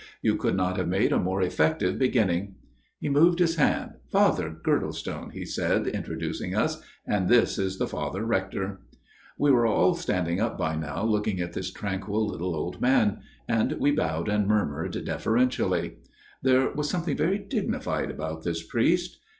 " You could not have made a more effective beginning." He moved his hand. " Father Girdlestone," he said, introducing us " And this is the Father Rector." We were all standing up by now, looking at this tranquil little old man ; and we bowed and FATHER GIRDLESTONE'S TALE 93 murmured deferentially. There was something very dignified about this priest.